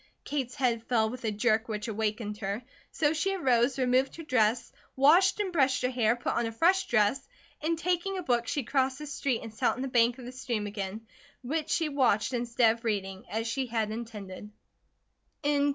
Kate's head fell with a jerk which awakened her, so she arose, removed her dress, washed and brushed her hair, put on a fresh dress and taking a book, she crossed the street and sat on the bank of the stream again, which she watched instead of reading, as she had intended.